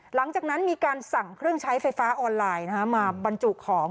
หลังจากนั้นมีการสั่งเครื่องใช้ไฟฟ้าออนไลน์มาบรรจุของ